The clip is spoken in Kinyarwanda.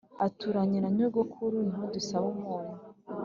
Aturanye na nyogokuru ni ho dusaba umunyu